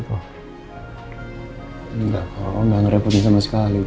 enggak kok gak ngerepotin sama sekali pak